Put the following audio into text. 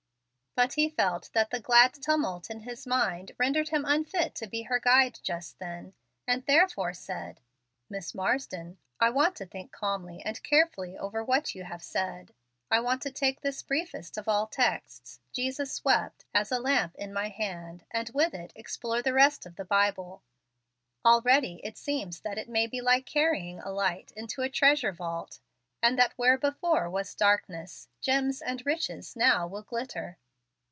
But he felt that the glad tumult in his mind rendered him unfit to be her guide just then, and therefore said: "Miss Marsden, I want to think calmly and carefully over what you have said. I want to take this briefest of all texts, 'Jesus wept,' as a lamp in my hand, and with it explore the rest of the Bible. Already it seems that it may be like carrying a light into a treasure vault, and that where before was darkness, gems and riches now will glitter."